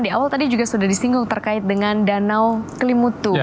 di awal tadi juga sudah disinggung terkait dengan danau kelimutu